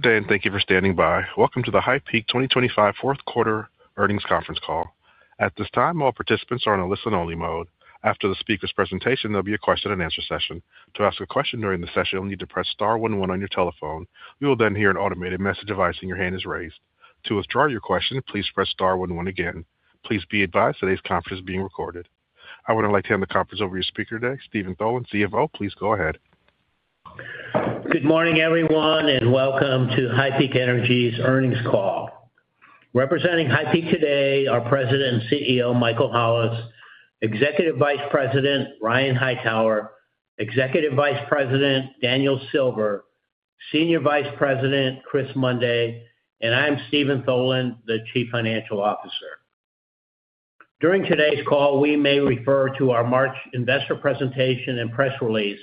Good day, and thank you for standing by. Welcome to the HighPeak Energy 2025 fourth quarter earnings conference call. At this time, all participants are in a listen-only mode. After the speaker's presentation, there'll be a question and answer session. To ask a question during the session, you'll need to press star one one on your telephone. You will then hear an automated message advising your hand is raised. To withdraw your question, please press star one one again. Please be advised today's conference is being recorded. I would now like to hand the conference over to your speaker today, Steven Tholen, CFO. Please go ahead. Good morning, everyone, and welcome to HighPeak Energy's earnings call. Representing HighPeak today, our President and CEO, Michael Hollis, Executive Vice President, Ryan Hightower, Executive Vice President, Daniel Silver, Senior Vice President, Chris Mundy, and I'm Steven Tholen, the Chief Financial Officer. During today's call, we may refer to our March investor presentation and press release,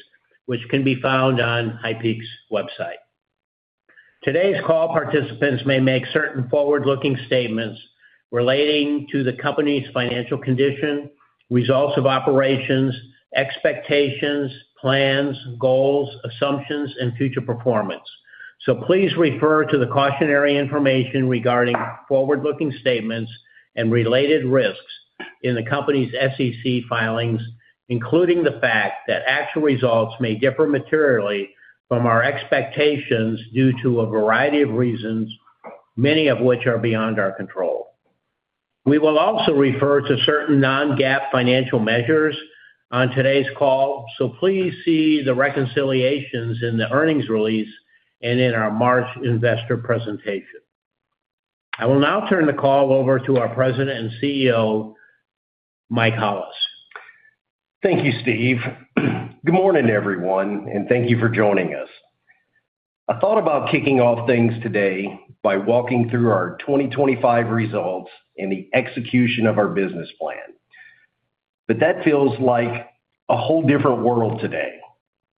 which can be found on HighPeak's website. Today's call participants may make certain forward-looking statements relating to the company's financial condition, results of operations, expectations, plans, goals, assumptions, and future performance. Please refer to the cautionary information regarding forward-looking statements and related risks in the company's SEC filings, including the fact that actual results may differ materially from our expectations due to a variety of reasons, many of which are beyond our control. We will also refer to certain non-GAAP financial measures on today's call, so please see the reconciliations in the earnings release and in our March investor presentation. I will now turn the call over to our President and CEO, Mike Hollis. Thank you, Steve. Good morning, everyone, and thank you for joining us. I thought about kicking off things today by walking through our 2025 results and the execution of our business plan. That feels like a whole different world today.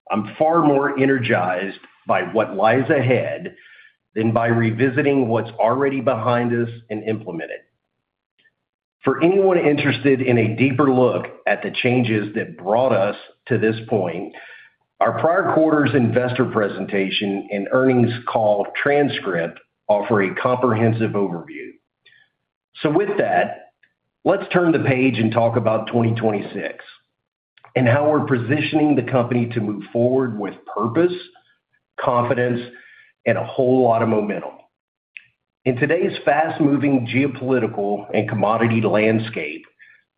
I'm far more energized by what lies ahead than by revisiting what's already behind us and implemented. For anyone interested in a deeper look at the changes that brought us to this point, our prior quarter's investor presentation and earnings call transcript offer a comprehensive overview. With that, let's turn the page and talk about 2026 and how we're positioning the company to move forward with purpose, confidence, and a whole lot of momentum. In today's fast-moving geopolitical and commodity landscape,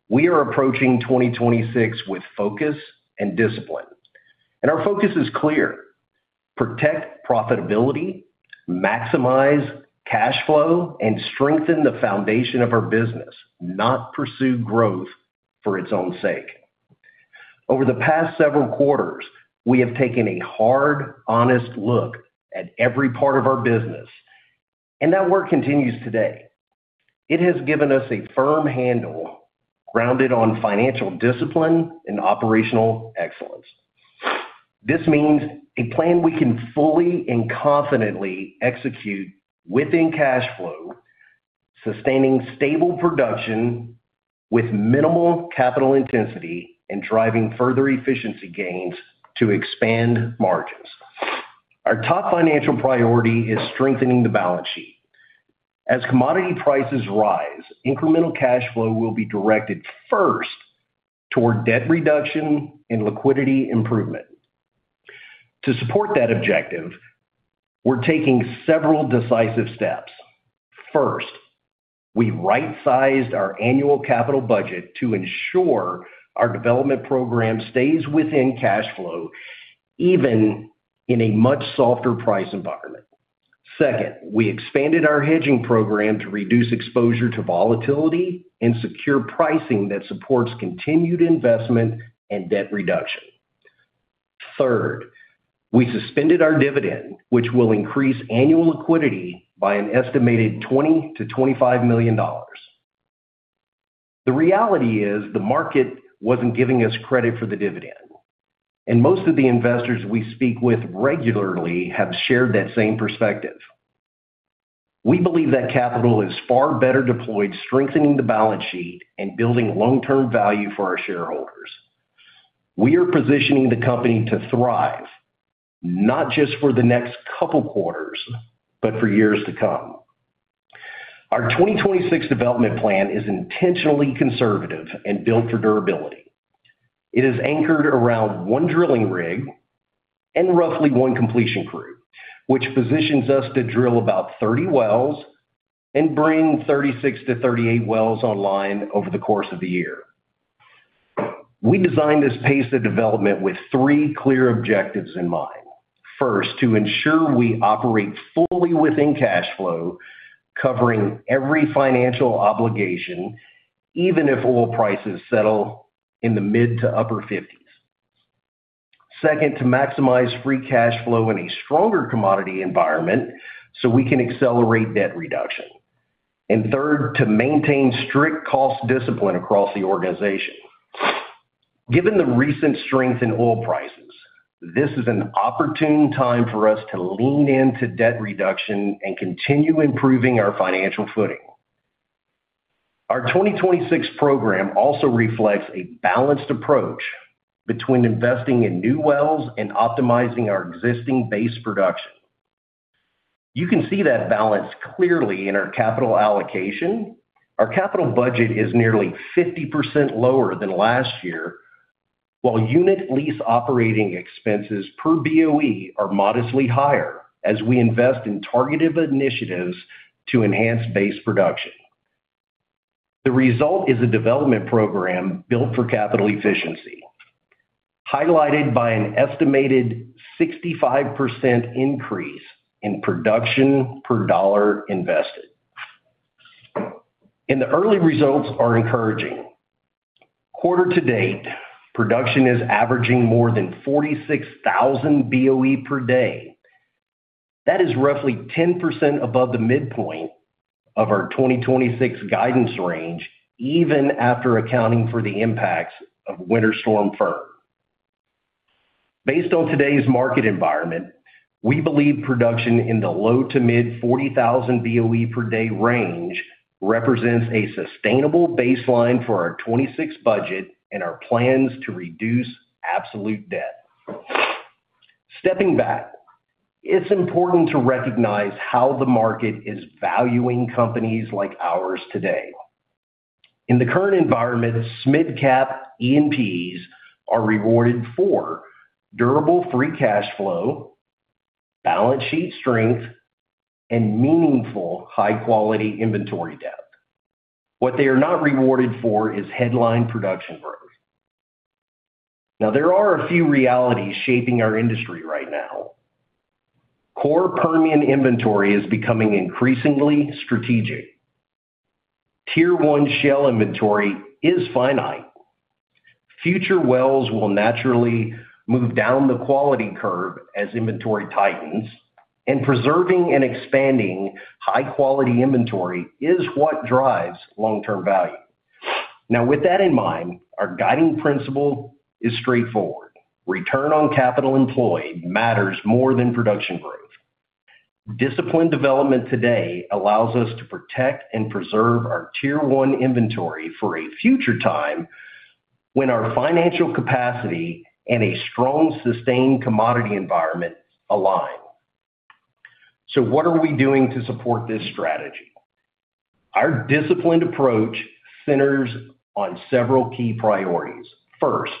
we are approaching 2026 with focus and discipline. Our focus is clear. Protect profitability, maximize cash flow, and strengthen the foundation of our business, not pursue growth for its own sake. Over the past several quarters, we have taken a hard, honest look at every part of our business, and that work continues today. It has given us a firm handle grounded on financial discipline and operational excellence. This means a plan we can fully and confidently execute within cash flow, sustaining stable production with minimal capital intensity and driving further efficiency gains to expand margins. Our top financial priority is strengthening the balance sheet. As commodity prices rise, incremental cash flow will be directed first toward debt reduction and liquidity improvement. To support that objective, we're taking several decisive steps. First, we right-sized our annual capital budget to ensure our development program stays within cash flow, even in a much softer price environment. Second, we expanded our hedging program to reduce exposure to volatility and secure pricing that supports continued investment and debt reduction. Third, we suspended our dividend, which will increase annual liquidity by an estimated $20-$25 million. The reality is the market wasn't giving us credit for the dividend, and most of the investors we speak with regularly have shared that same perspective. We believe that capital is far better deployed, strengthening the balance sheet and building long-term value for our shareholders. We are positioning the company to thrive, not just for the next couple quarters, but for years to come. Our 2026 development plan is intentionally conservative and built for durability. It is anchored around one drilling rig and roughly one completion crew, which positions us to drill about 30 wells and bring 36-38 wells online over the course of the year. We designed this pace of development with three clear objectives in mind. First, to ensure we operate fully within cash flow, covering every financial obligation, even if oil prices settle in the mid- to upper 50s. Second, to maximize free cash flow in a stronger commodity environment so we can accelerate debt reduction. Third, to maintain strict cost discipline across the organization. Given the recent strength in oil prices, this is an opportune time for us to lean into debt reduction and continue improving our financial footing. Our 2026 program also reflects a balanced approach between investing in new wells and optimizing our existing base production. You can see that balance clearly in our capital allocation. Our capital budget is nearly 50% lower than last year, while unit lease operating expenses per BOE are modestly higher as we invest in targeted initiatives to enhance base production. The result is a development program built for capital efficiency, highlighted by an estimated 65% increase in production per dollar invested. The early results are encouraging. Quarter to date, production is averaging more than 46,000 BOE per day. That is roughly 10% above the midpoint of our 2026 guidance range, even after accounting for the impacts of Winter Storm Uri. Based on today's market environment, we believe production in the low to mid-40,000 BOE per day range represents a sustainable baseline for our 2026 budget and our plans to reduce absolute debt. Stepping back, it's important to recognize how the market is valuing companies like ours today. In the current environment, mid-cap E&Ps are rewarded for durable free cash flow, balance sheet strength, and meaningful high-quality inventory depth. What they are not rewarded for is headline production growth. Now, there are a few realities shaping our industry right now. Core Permian inventory is becoming increasingly strategic. Tier one shale inventory is finite. Future wells will naturally move down the quality curve as inventory tightens, and preserving and expanding high-quality inventory is what drives long-term value. Now, with that in mind, our guiding principle is straightforward. Return on capital employed matters more than production growth. Disciplined development today allows us to protect and preserve our tier one inventory for a future time when our financial capacity and a strong, sustained commodity environment align. What are we doing to support this strategy? Our disciplined approach centers on several key priorities. First,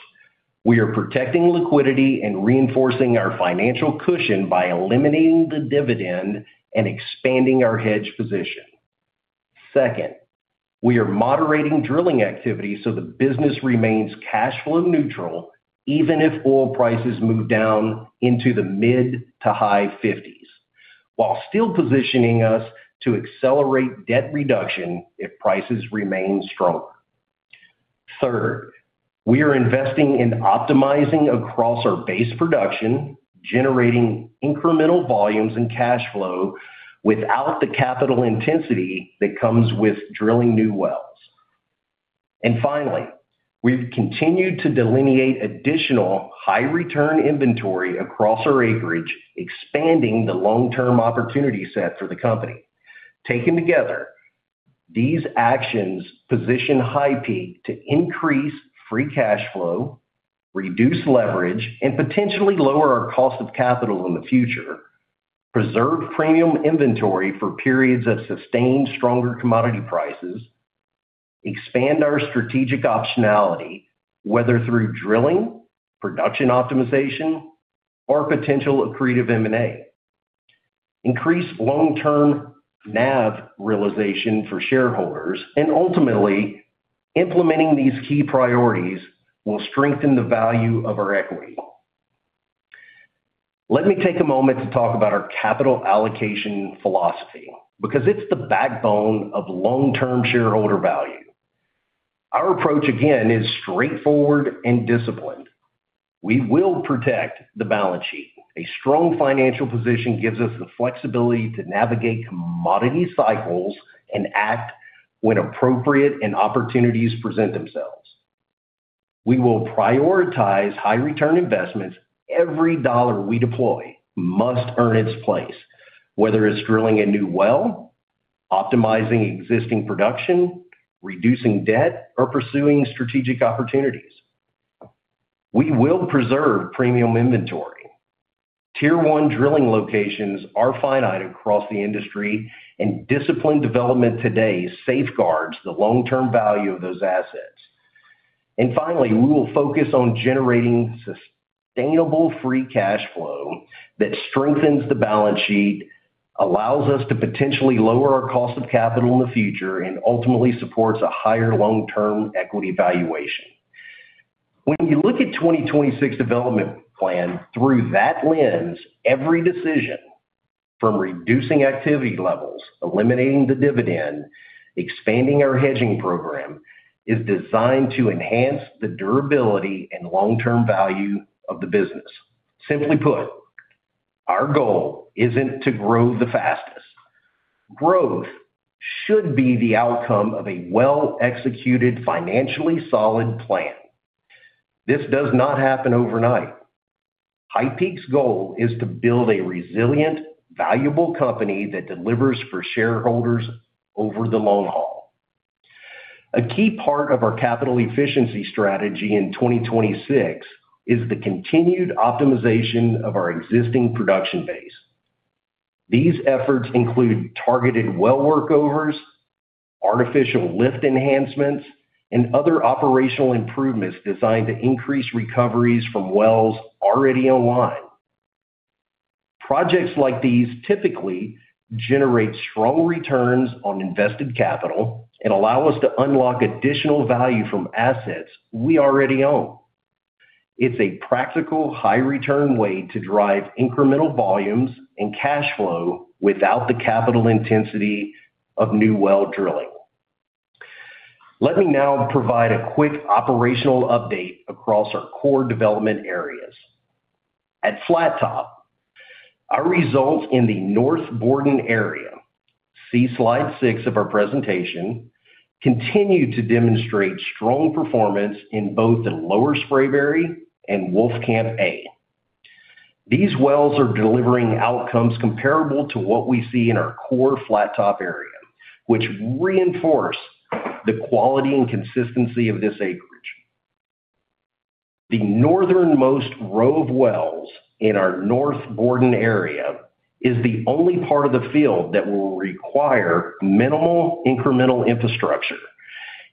we are protecting liquidity and reinforcing our financial cushion by eliminating the dividend and expanding our hedge position. Second, we are moderating drilling activity so the business remains cash flow neutral, even if oil prices move down into the mid- to high $50s, while still positioning us to accelerate debt reduction if prices remain stronger. Third, we are investing in optimizing across our base production, generating incremental volumes and cash flow without the capital intensity that comes with drilling new wells. Finally, we've continued to delineate additional high return inventory across our acreage, expanding the long-term opportunity set for the company. Taken together, these actions position HighPeak Energy to increase free cash flow, reduce leverage, and potentially lower our cost of capital in the future, preserve premium inventory for periods of sustained stronger commodity prices, expand our strategic optionality, whether through drilling, production optimization, or potential accretive M&A, increase long-term NAV realization for shareholders, and ultimately, implementing these key priorities will strengthen the value of our equity. Let me take a moment to talk about our capital allocation philosophy, because it's the backbone of long-term shareholder value. Our approach, again, is straightforward and disciplined. We will protect the balance sheet. A strong financial position gives us the flexibility to navigate commodity cycles and act when appropriate and opportunities present themselves. We will prioritize high return investments. Every dollar we deploy must earn its place, whether it's drilling a new well, optimizing existing production, reducing debt, or pursuing strategic opportunities. We will preserve premium inventory. Tier one drilling locations are finite across the industry, and disciplined development today safeguards the long-term value of those assets. Finally, we will focus on generating sustainable free cash flow that strengthens the balance sheet, allows us to potentially lower our cost of capital in the future, and ultimately supports a higher long-term equity valuation. When you look at 2026 development plan through that lens, every decision from reducing activity levels, eliminating the dividend, expanding our hedging program, is designed to enhance the durability and long-term value of the business. Simply put, our goal isn't to grow the fastest. Growth should be the outcome of a well-executed, financially solid plan. This does not happen overnight. HighPeak Energy's goal is to build a resilient, valuable company that delivers for shareholders over the long haul. A key part of our capital efficiency strategy in 2026 is the continued optimization of our existing production base. These efforts include targeted well workovers, artificial lift enhancements, and other operational improvements designed to increase recoveries from wells already online. Projects like these typically generate strong returns on invested capital and allow us to unlock additional value from assets we already own. It's a practical, high return way to drive incremental volumes and cash flow without the capital intensity of new well drilling. Let me now provide a quick operational update across our core development areas. At Flat Top, our results in the North Borden area, see slide 6 of our presentation, continue to demonstrate strong performance in both the Lower Spraberry and Wolfcamp A. These wells are delivering outcomes comparable to what we see in our core Flat Top area, which reinforce the quality and consistency of this acreage. The northernmost row of wells in our North Borden area is the only part of the field that will require minimal incremental infrastructure,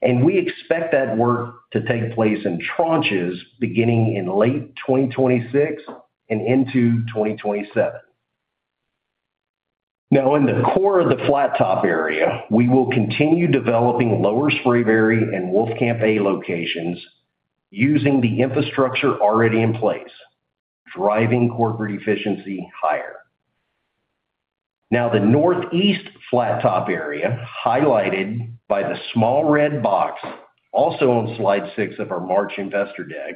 and we expect that work to take place in tranches beginning in late 2026 and into 2027. Now in the core of the Flat Top area, we will continue developing Lower Spraberry and Wolfcamp A locations using the infrastructure already in place, driving corporate efficiency higher. Now, the Northeast Flat Top area, highlighted by the small red box, also on slide 6 of our March investor deck,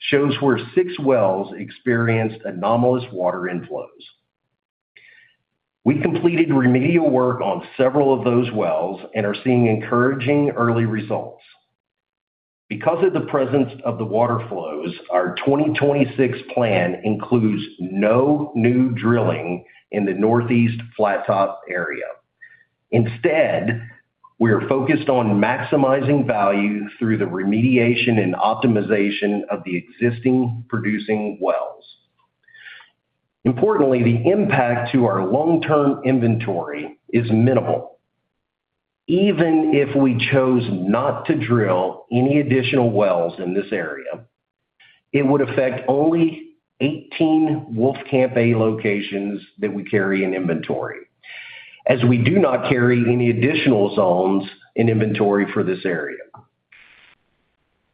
shows where six wells experienced anomalous water inflows. We completed remedial work on several of those wells and are seeing encouraging early results. Because of the presence of the water flows, our 2026 plan includes no new drilling in the Northeast Flat Top area. Instead, we are focused on maximizing value through the remediation and optimization of the existing producing wells. Importantly, the impact to our long-term inventory is minimal. Even if we chose not to drill any additional wells in this area, it would affect only 18 Wolfcamp A locations that we carry in inventory, as we do not carry any additional zones in inventory for this area.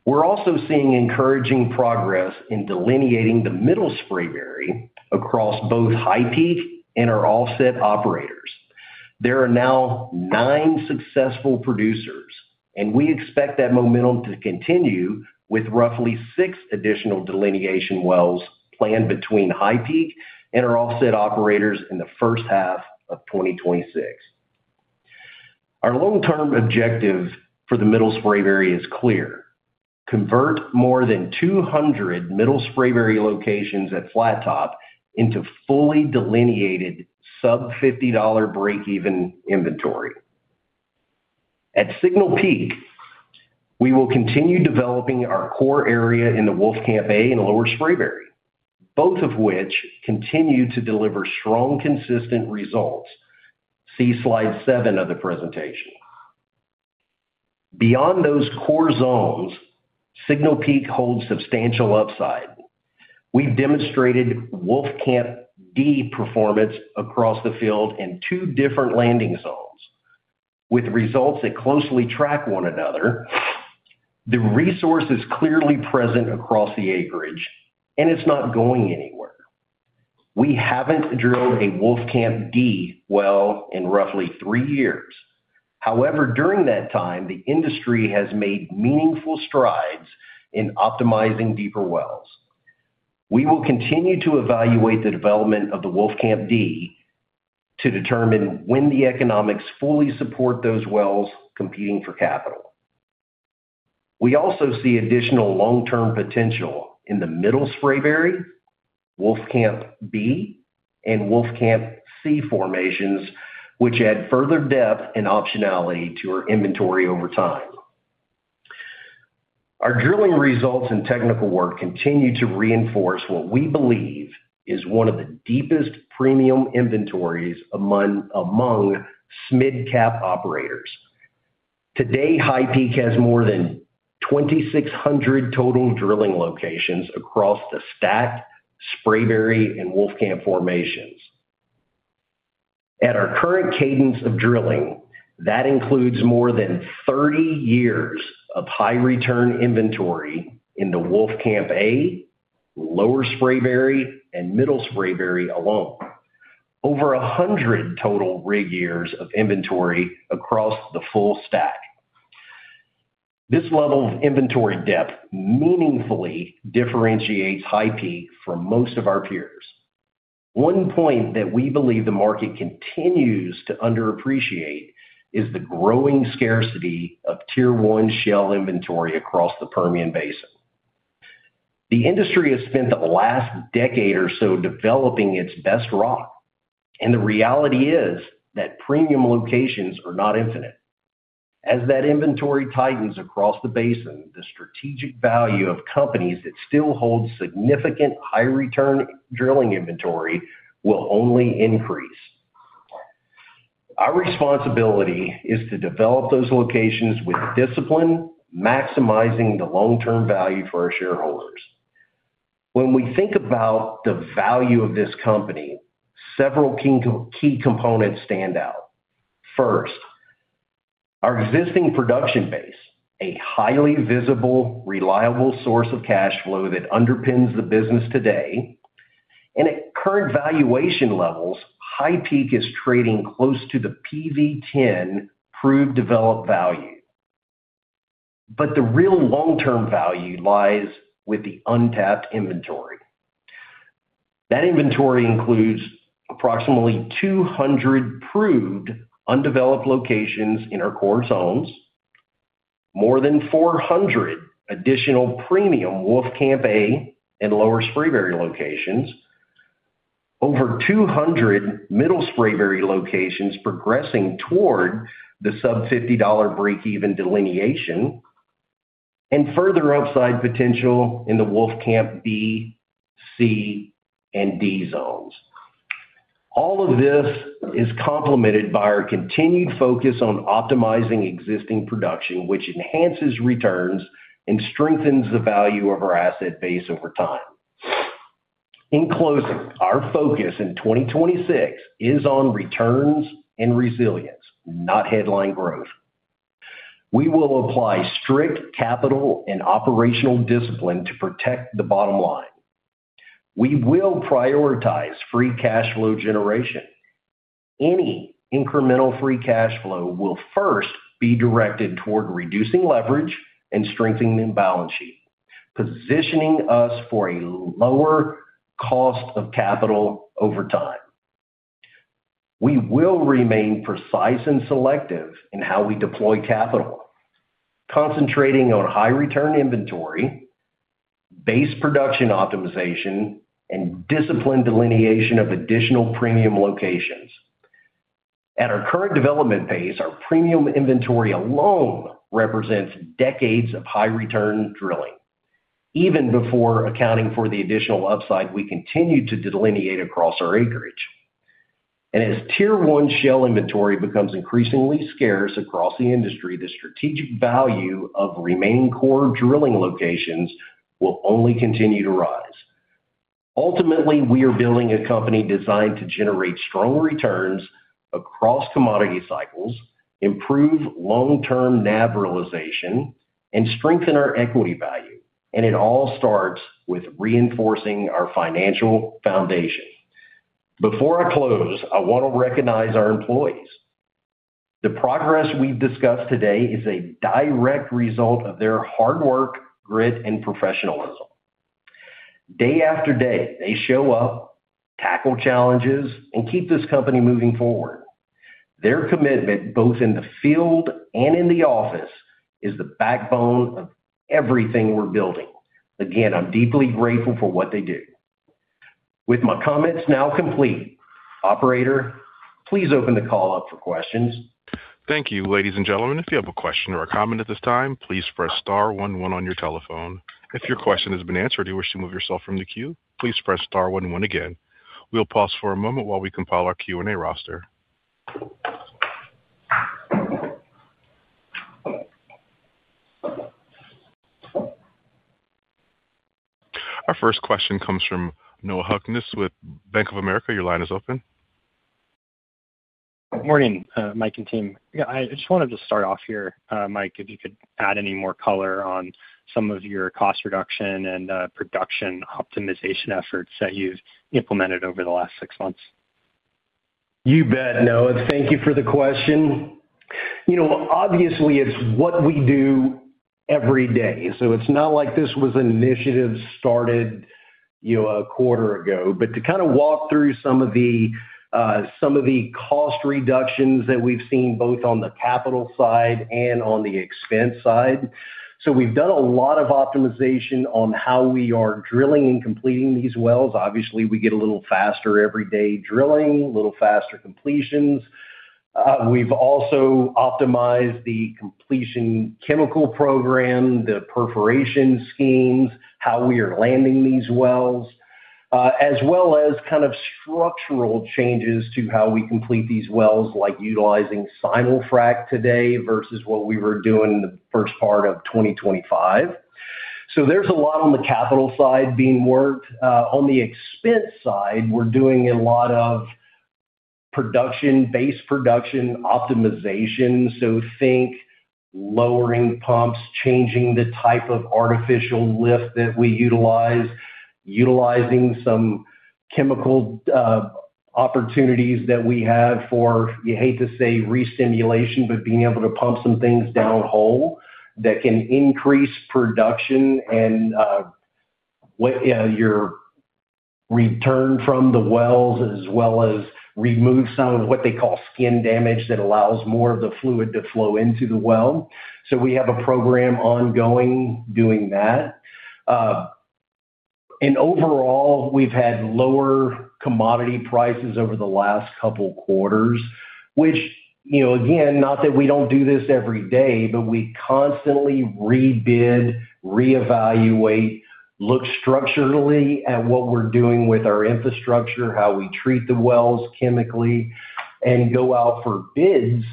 We're also seeing encouraging progress in delineating the Middle Spraberry across both HighPeak Energy and our offset operators. There are now 9 successful producers, and we expect that momentum to continue with roughly 6 additional delineation wells planned between HighPeak Energy and our offset operators in the first half of 2026. Our long-term objective for the Middle Spraberry is clear. Convert more than 200 Middle Spraberry locations at Flat Top into fully delineated sub-$50 breakeven inventory. At Signal Peak, we will continue developing our core area in the Wolfcamp A and Lower Spraberry, both of which continue to deliver strong, consistent results. See slide 7 of the presentation. Beyond those core zones, Signal Peak holds substantial upside. We've demonstrated Wolfcamp D performance across the field in 2 different landing zones with results that closely track one another. The resource is clearly present across the acreage, and it's not going anywhere. We haven't drilled a Wolfcamp D well in roughly 3 years. However, during that time, the industry has made meaningful strides in optimizing deeper wells. We will continue to evaluate the development of the Wolfcamp D to determine when the economics fully support those wells competing for capital. We also see additional long-term potential in the Middle Spraberry, Wolfcamp B, and Wolfcamp C formations, which add further depth and optionality to our inventory over time. Our drilling results and technical work continue to reinforce what we believe is one of the deepest premium inventories among mid-cap operators. Today, HighPeak Energy has more than 2,600 total drilling locations across the Stack, Spraberry, and Wolfcamp formations. At our current cadence of drilling, that includes more than 30 years of high return inventory in the Wolfcamp A, Lower Spraberry, and Middle Spraberry alone. Over 100 total rig years of inventory across the full Stack. This level of inventory depth meaningfully differentiates HighPeak Energy from most of our peers. One point that we believe the market continues to underappreciate is the growing scarcity of Tier one shale inventory across the Permian Basin. The industry has spent the last decade or so developing its best rock, and the reality is that premium locations are not infinite. As that inventory tightens across the basin, the strategic value of companies that still hold significant high return drilling inventory will only increase. Our responsibility is to develop those locations with discipline, maximizing the long-term value for our shareholders. When we think about the value of this company, several key components stand out. First, our existing production base. A highly visible, reliable source of cash flow that underpins the business today. At current valuation levels, HighPeak Energy is trading close to the PV-10 proved developed value. The real long-term value lies with the untapped inventory. That inventory includes approximately 200 proved undeveloped locations in our core zones. More than 400 additional premium Wolfcamp A and Lower Spraberry locations. Over 200 Middle Spraberry locations progressing toward the sub-$50 breakeven delineation, and further upside potential in the Wolfcamp B, C, and D zones. All of this is complemented by our continued focus on optimizing existing production, which enhances returns and strengthens the value of our asset base over time. In closing, our focus in 2026 is on returns and resilience, not headline growth. We will apply strict capital and operational discipline to protect the bottom line. We will prioritize free cash flow generation. Any incremental free cash flow will first be directed toward reducing leverage and strengthening the balance sheet, positioning us for a lower cost of capital over time. We will remain precise and selective in how we deploy capital, concentrating on high return inventory, base production optimization, and disciplined delineation of additional premium locations. At our current development pace, our premium inventory alone represents decades of high return drilling. Even before accounting for the additional upside, we continue to delineate across our acreage. As Tier One shale inventory becomes increasingly scarce across the industry, the strategic value of remaining core drilling locations will only continue to rise. Ultimately, we are building a company designed to generate strong returns across commodity cycles, improve long-term NAV realization, and strengthen our equity value, and it all starts with reinforcing our financial foundation. Before I close, I want to recognize our employees. The progress we've discussed today is a direct result of their hard work, grit, and professionalism. Day after day, they show up, tackle challenges, and keep this company moving forward. Their commitment, both in the field and in the office, is the backbone of everything we're building. Again, I'm deeply grateful for what they do. With my comments now complete, operator, please open the call up for questions. Thank you. Ladies and gentlemen, if you have a question or a comment at this time, please press star one one on your telephone. If your question has been answered and you wish to remove yourself from the queue, please press star one one again. We'll pause for a moment while we compile our Q&A roster. Our first question comes from Kalei Akamine with Bank of America. Your line is open. Morning, Mike and team. Yeah, I just wanted to start off here, Mike, if you could add any more color on some of your cost reduction and production optimization efforts that you've implemented over the last six months. You bet, Kalei. Thank you for the question. You know, obviously, it's what we do every day. It's not like this was an initiative started, you know, a quarter ago. To kind of walk through some of the cost reductions that we've seen both on the capital side and on the expense side. We've done a lot of optimization on how we are drilling and completing these wells. Obviously, we get a little faster every day drilling, a little faster completions. We've also optimized the completion chemical program, the perforation schemes, how we are landing these wells, as well as kind of structural changes to how we complete these wells, like utilizing simul-frac today versus what we were doing in the first part of 2025. There's a lot on the capital side being worked. On the expense side, we're doing a lot of production-based production optimization. Think lowering pumps, changing the type of artificial lift that we utilize, utilizing some chemical production opportunities that we have. You hate to say restimulation, but being able to pump some things downhole that can increase production and our return from the wells as well as remove some of what they call skin damage that allows more of the fluid to flow into the well. We have a program ongoing doing that. Overall, we've had lower commodity prices over the last couple quarters, which, you know, again, not that we don't do this every day, but we constantly rebid, reevaluate, look structurally at what we're doing with our infrastructure, how we treat the wells chemically, and go out for bids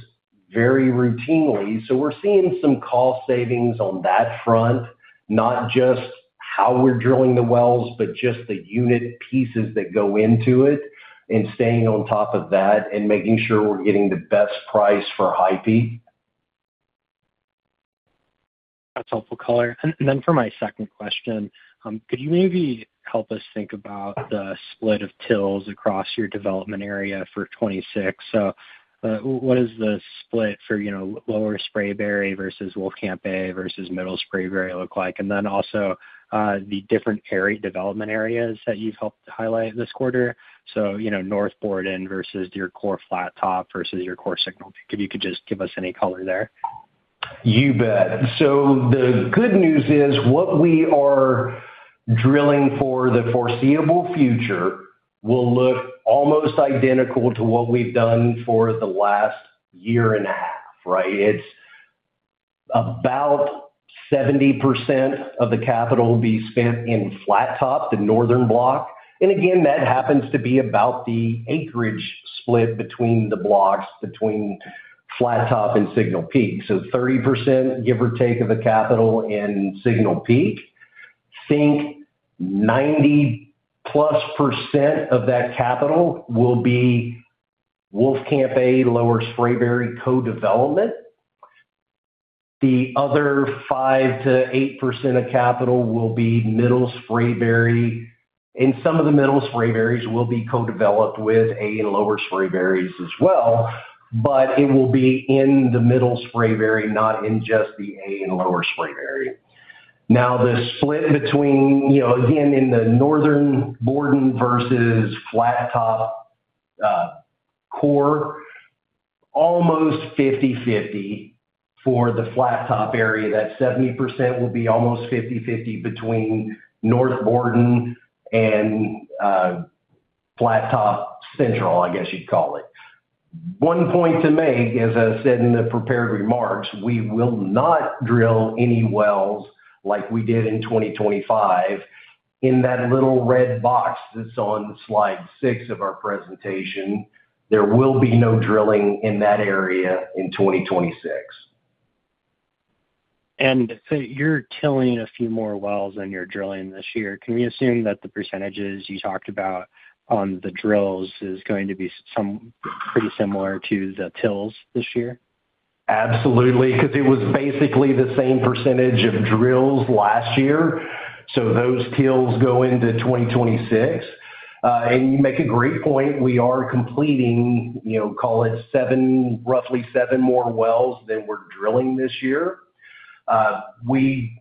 very routinely. We're seeing some cost savings on that front, not just how we're drilling the wells, but just the unit pieces that go into it and staying on top of that and making sure we're getting the best price for HP. That's helpful color. Then for my second question, could you maybe help us think about the split of wells across your development area for 2026? What is the split for, you know, Lower Spraberry versus Wolfcamp A versus Middle Spraberry look like? Then also, the different development areas that you've helped highlight this quarter. You know, North Borden versus your core Flat Top versus your core Signal. If you could just give us any color there. You bet. The good news is, what we are drilling for the foreseeable future will look almost identical to what we've done for the last year and a half, right? It's about 70% of the capital will be spent in Flat Top, the northern block. Again, that happens to be about the acreage split between the blocks, between Flat Top and Signal Peak. 30%, give or take, of the capital in Signal Peak. Think 90%+ of that capital will be Wolfcamp A, Lower Spraberry co-development. The other 5%-8% of capital will be Middle Spraberry, and some of the Middle Spraberrys will be co-developed with A and Lower Spraberrys as well. It will be in the Middle Spraberry, not in just the A and Lower Spraberry. Now, the split between, you know, again, in the North Borden versus Flat Top core, almost 50/50 for the Flat Top area. That 70% will be almost 50/50 between North Borden and Flat Top Central, I guess you'd call it. One point to make, as I said in the prepared remarks, we will not drill any wells like we did in 2025 in that little red box that's on slide 6 of our presentation. There will be no drilling in that area in 2026. You're TILing a few more wells than you're drilling this year. Can we assume that the percentages you talked about on the drills is going to be some pretty similar to the TILs this year? Absolutely, because it was basically the same percentage of drills last year. Those DUCs go into 2026. You make a great point. We are completing, you know, call it 7, roughly 7 more wells than we're drilling this year. We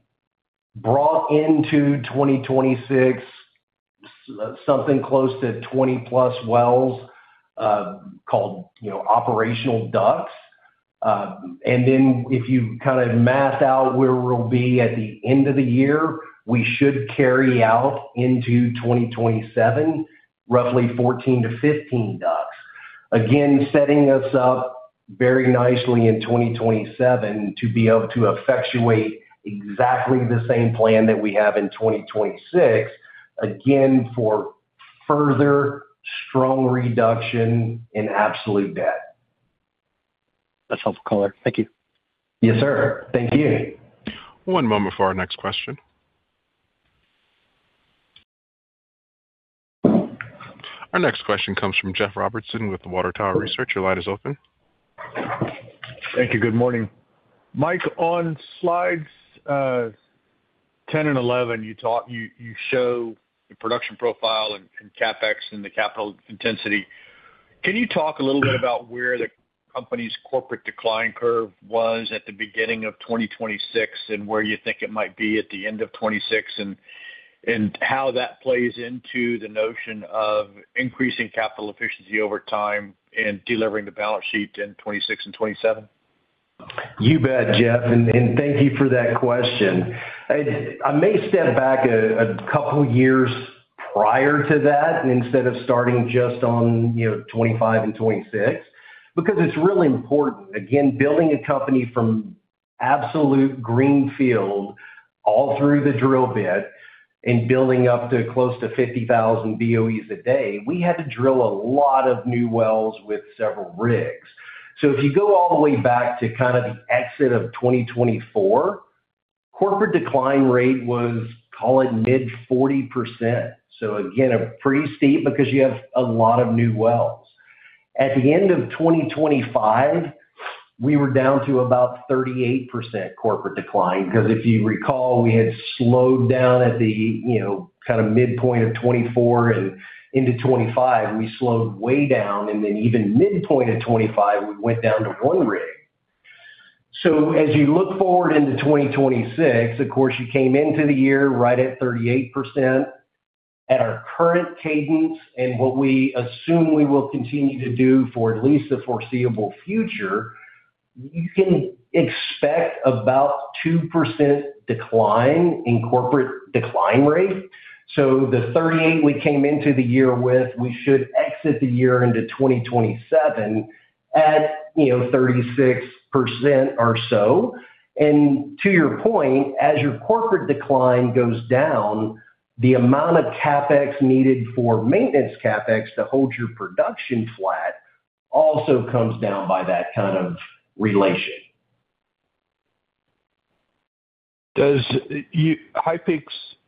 brought into 2026 something close to 20+ wells, called, you know, operational DUCs. If you kind of math out where we'll be at the end of the year, we should carry out into 2027 roughly 14-15 DUCs. Again, setting us up very nicely in 2027 to be able to effectuate exactly the same plan that we have in 2026, again, for further strong reduction in absolute debt. That's helpful color. Thank you. Yes, sir. Thank you. One moment for our next question. Our next question comes from Jeff Robertson with the Water Tower Research. Your line is open. Thank you. Good morning. Mike, on slides 10 and 11, you show the production profile and CapEx and the capital intensity. Can you talk a little bit about where the company's corporate decline curve was at the beginning of 2026 and where you think it might be at the end of 2026 and how that plays into the notion of increasing capital efficiency over time and delivering the balance sheet in 2026 and 2027? You bet, Jeff, and thank you for that question. I may step back a couple years prior to that instead of starting just on, you know, 25 and 26, because it's really important. Again, building a company from absolute greenfield all through the drill bit and building up to close to 50,000 BOEs a day, we had to drill a lot of new wells with several rigs. If you go all the way back to kind of the exit of 2024, corporate decline rate was, call it, mid-40%. Again, a pretty steep because you have a lot of new wells. At the end of 2025, we were down to about 38% corporate decline because if you recall, we had slowed down at the, you know, kind of midpoint of 2024 and into 2025, we slowed way down, and then even midpoint of 2025, we went down to 1 rig. As you look forward into 2026, of course, you came into the year right at 38%. At our current cadence and what we assume we will continue to do for at least the foreseeable future, you can expect about 2% decline in corporate decline rate. The 38 we came into the year with, we should exit the year into 2027 at, you know, 36% or so. To your point, as your corporate decline goes down, the amount of CapEx needed for maintenance CapEx to hold your production flat also comes down by that kind of relation. Does your HighPeak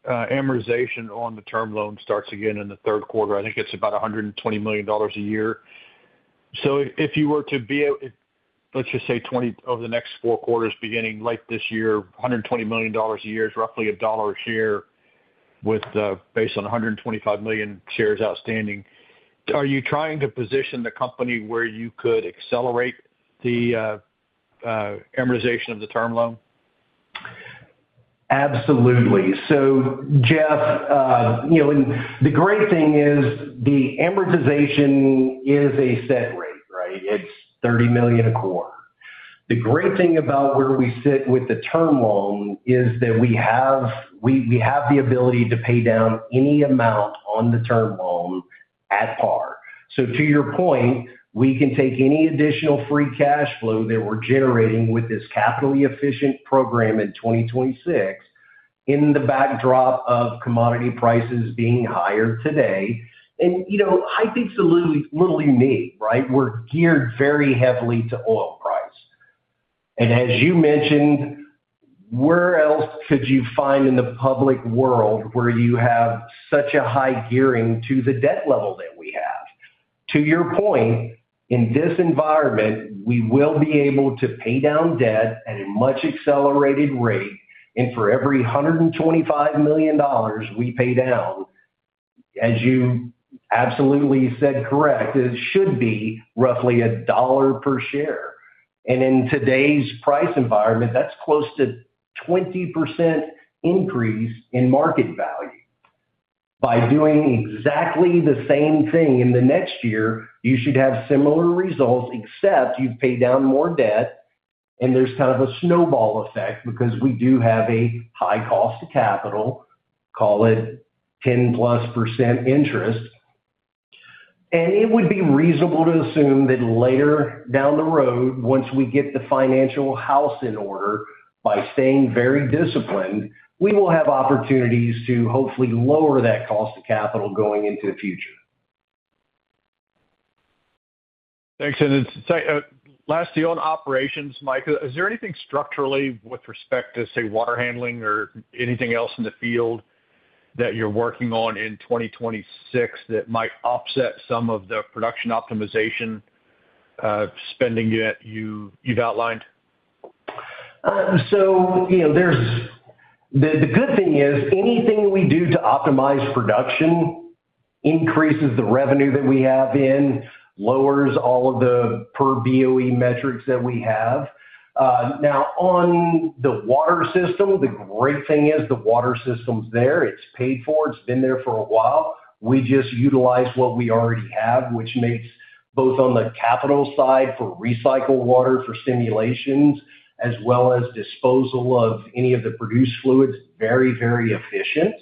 Energy's amortization on the term loan start again in the third quarter. I think it's about $120 million a year. If you were to Let's just say 20 over the next four quarters, beginning late this year, $120 million a year is roughly $1 a share with, based on 125 million shares outstanding. Are you trying to position the company where you could accelerate the amortization of the term loan? Absolutely. Jeff, you know, the great thing is the amortization is a set rate, right? It's $30 million a quarter. The great thing about where we sit with the term loan is that we have the ability to pay down any amount on the term loan at par. To your point, we can take any additional free cash flow that we're generating with this capital efficient program in 2026 in the backdrop of commodity prices being higher today. You know, HighPeak Energy's literally me, right? We're geared very heavily to oil price. As you mentioned, where else could you find in the public world where you have such a high gearing to the debt level that we have? To your point, in this environment, we will be able to pay down debt at a much accelerated rate, and for every $125 million we pay down, as you absolutely said, correct, it should be roughly $1 per share. In today's price environment, that's close to 20% increase in market value. By doing exactly the same thing in the next year, you should have similar results, except you've paid down more debt, and there's kind of a snowball effect because we do have a high cost of capital, call it 10%+ interest. It would be reasonable to assume that later down the road, once we get the financial house in order by staying very disciplined, we will have opportunities to hopefully lower that cost of capital going into the future. Thanks. It's last to you on operations, Mike. Is there anything structurally with respect to, say, water handling or anything else in the field that you're working on in 2026 that might offset some of the production optimization spending that you've outlined? You know, the good thing is anything we do to optimize production increases the revenue that we have in, lowers all of the per BOE metrics that we have. Now on the water system, the great thing is the water system's there, it's paid for, it's been there for a while. We just utilize what we already have, which makes both on the capital side for recycled water, for simul-fracs, as well as disposal of any of the produced fluids, very, very efficient.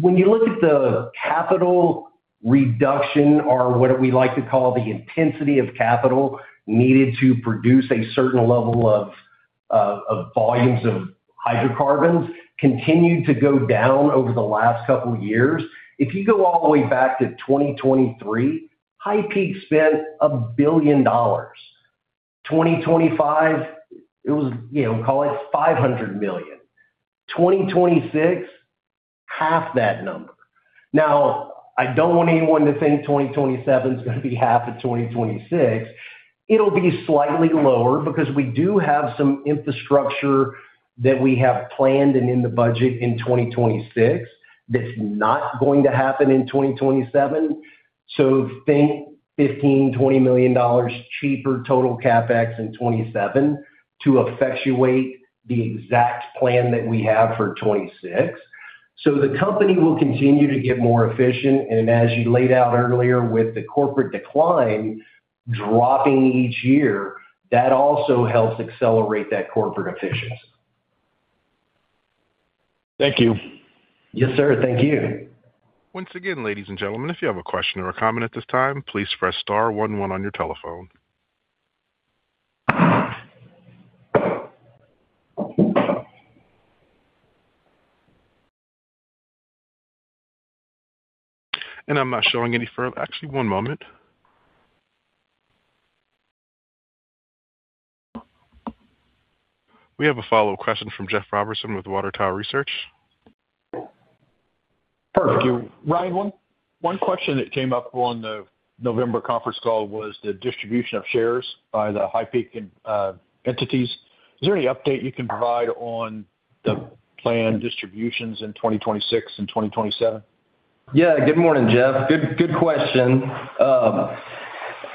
When you look at the capital reduction or what we like to call the intensity of capital needed to produce a certain level of volumes of hydrocarbons continued to go down over the last couple years. If you go all the way back to 2023, HighPeak Energy spent $1 billion. 2025, it was, you know, call it $500 million. 2026, half that number. Now, I don't want anyone to think 2027 is gonna be half of 2026. It'll be slightly lower because we do have some infrastructure that we have planned and in the budget in 2026 that's not going to happen in 2027. So think $15-$20 million cheaper total CapEx in 2027 to effectuate the exact plan that we have for 2026. So the company will continue to get more efficient. As you laid out earlier with the corporate decline dropping each year, that also helps accelerate that corporate efficiency. Thank you. Yes, sir. Thank you. Once again, ladies and gentlemen, if you have a question or a comment at this time, please press star one one on your telephone. Actually, one moment. We have a follow question from Jeff Robertson with Water Tower Research. Perfect. Ryan, one question that came up on the November conference call was the distribution of shares by the HighPeak Energy and entities. Is there any update you can provide on the planned distributions in 2026 and 2027? Yeah. Good morning, Jeff. Good question.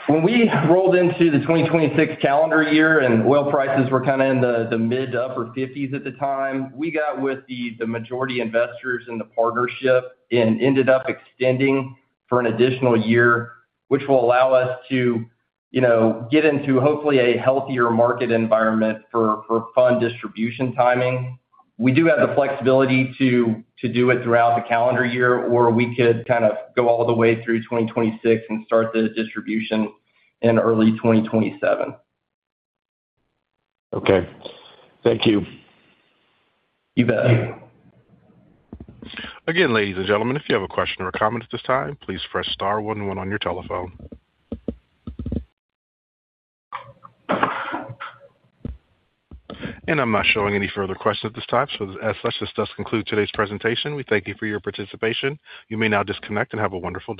When we rolled into the 2026 calendar year and oil prices were kinda in the mid- to upper-$50s at the time, we got with the majority investors in the partnership and ended up extending for an additional year, which will allow us to, you know, get into hopefully a healthier market environment for fund distribution timing. We do have the flexibility to do it throughout the calendar year, or we could kind of go all the way through 2026 and start the distribution in early 2027. Okay. Thank you. You bet. Again, ladies and gentlemen, if you have a question or a comment at this time, please press star one one on your telephone. I'm not showing any further questions at this time, so as such, this does conclude today's presentation. We thank you for your participation. You may now disconnect and have a wonderful day.